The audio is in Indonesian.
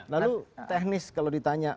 lalu teknis kalau ditanya